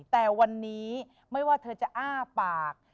แต่วันนี้ไม่ว่าเธอจะอ้าปาก